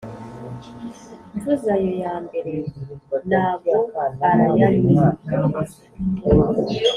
Mvuze ayo yambere nago arayanyuma